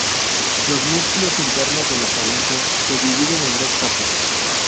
Los músculos internos de la faringe se dividen en dos capas.